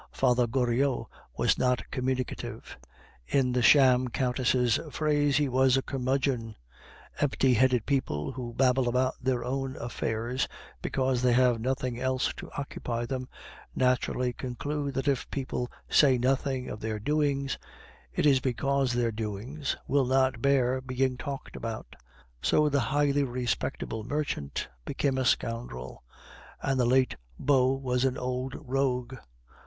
Father Goriot was not communicative; in the sham countess' phrase he was "a curmudgeon." Empty headed people who babble about their own affairs because they have nothing else to occupy them, naturally conclude that if people say nothing of their doings it is because their doings will not bear being talked about; so the highly respectable merchant became a scoundrel, and the late beau was an old rogue.